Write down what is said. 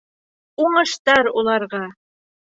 Уңыштар уларға!